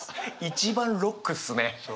一番ロックっすね！